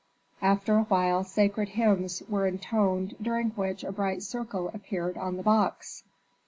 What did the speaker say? After a while sacred hymns were intoned during which a bright circle appeared on the box.